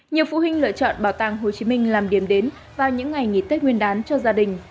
nhiều phụ huynh lựa chọn bảo tàng hồ chí minh làm điểm đến vào những ngày nghỉ tết nguyên đán cho gia đình